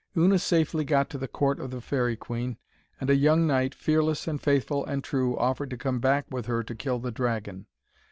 Una safely got to the court of the Faerie Queen, and a young knight, fearless and faithful and true, offered to come back with her to kill the dragon.